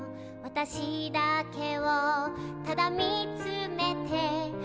「私だけをただ見つめて」